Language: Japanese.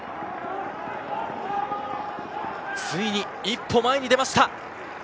ついに一歩前に出ました。